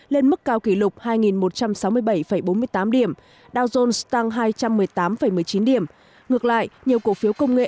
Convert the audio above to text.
lên mức cao kỷ lục hai một trăm sáu mươi bảy bốn mươi tám điểm dow jones tăng hai trăm một mươi tám một mươi chín điểm ngược lại nhiều cổ phiếu công nghệ